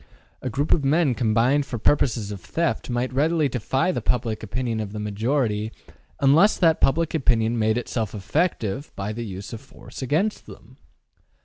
A group of men combined for purposes of theft might readily defy the public opinion of the majority unless that public opinion made itself effective by the use of force against them.